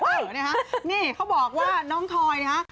เอ่อเนี่ยค่ะนี่เขาบอกว่าน้องทอยนะคะ